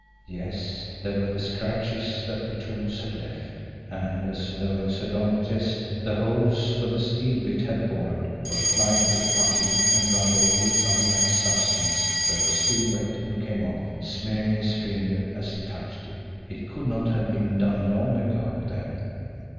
Yes, there were the scratches that the tools had left; and, as though in sardonic jest, the holes, where the steel bit had bored, were plugged with putty and rubbed over with some black substance that was still wet and came off, smearing his finger, as he touched it. It could not have been done long ago, then!